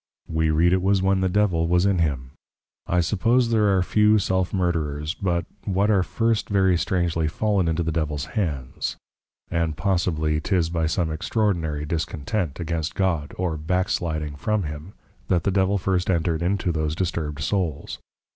We read it was when the Devil was in him. I suppose there are few self murderers, but what are first very strangely fallen into the Devils hands; and possibly, 'tis by some Extraordinary Discontent, against God, or back sliding from him, that the Devil first entred into those disturbed Souls.